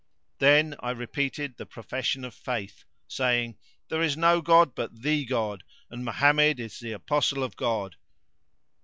Then I repeated the profession of Faith, saying, "There is no god but the God, and Mohammed is the Apostle of God!"